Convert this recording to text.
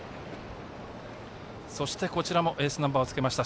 そして、こちらもエースナンバーをつけました